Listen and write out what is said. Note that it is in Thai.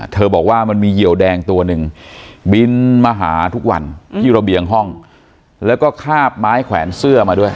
บอกว่ามันมีเหยียวแดงตัวหนึ่งบินมาหาทุกวันที่ระเบียงห้องแล้วก็คาบไม้แขวนเสื้อมาด้วย